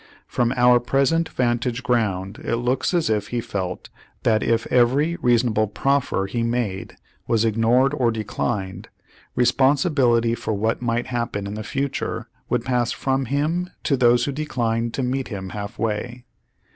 From our present vantage ground it looks as if he felt that if every reasonable proffer he made was ignored or declined, responsibility for what might happen in the future would pass from him to those who declined to meet him half way.